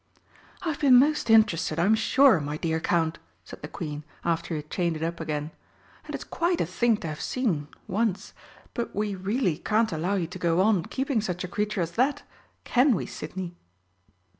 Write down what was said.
"I've been most interested, I'm sure, my dear Count," said the Queen, after he had chained it up again. "And it's quite a thing to have seen once. But we really can't allow you to go on keeping such a creature as that can we, Sidney?"